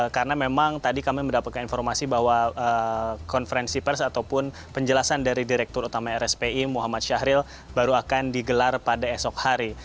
karena memang tadi kami mendapatkan informasi bahwa konferensi pers ataupun penjelasan dari direktur utama rspi muhammad syahril baru akan digelar pada esok hari